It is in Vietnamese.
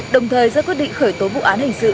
đồng thời ra quyết định khởi tố vụ án hình sự